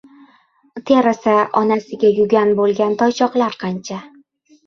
• Terisi onasiga yugan bo‘lgan toychoqlar qancha.